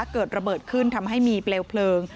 เกิดระเบิดขึ้นทำให้มีเปลวเพลิง